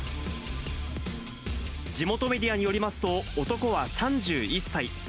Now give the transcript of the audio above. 地元メディアによりますと、男は３１歳。